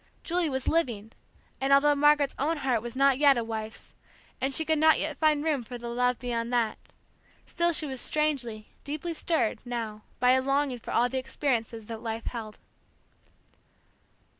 Julie was living; and although Margaret's own heart was not yet a wife's, and she could not yet find room for the love beyond that, still she was strangely, deeply stirred now by a longing for all the experiences that life held.